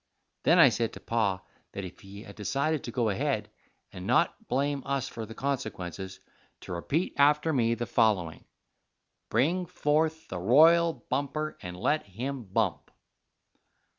Then I said to Pa that if he had decided to go ahead, and not blame us for the consequences, to repeat after me the following, 'Bring forth the Royal Bumper and let him Bump.'